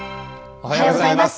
おはようございます。